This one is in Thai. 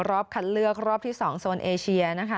รอบคัดเลือกรอบที่๒โซนเอเชียนะคะ